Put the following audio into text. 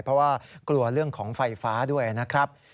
เพราะว่ากลัวเรื่องของไฟฟ้าด้วยนะครับ